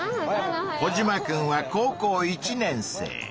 コジマくんは高校１年生。